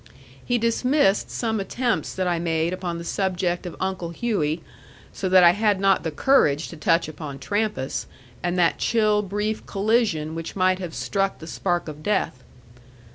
He dismissed some attempts that I made upon the subject of Uncle Hughey so that I had not the courage to touch upon Trampas, and that chill brief collision which might have struck the spark of death.